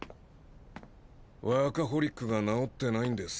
ワーカホリックが治ってないんです。